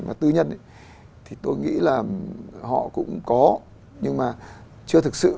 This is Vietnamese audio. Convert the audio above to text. và tư nhân thì tôi nghĩ là họ cũng có nhưng mà chưa thực sự